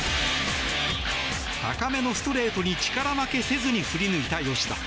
高めのストレートに力負けせずに振り抜いた吉田。